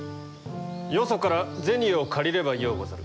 よそから銭を借りればようござる。